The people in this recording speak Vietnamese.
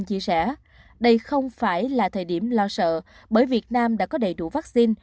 chia sẻ đây không phải là thời điểm lo sợ bởi việt nam đã có đầy đủ vaccine